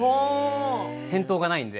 返答がないので。